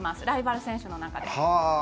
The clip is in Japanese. ライバル選手の中で。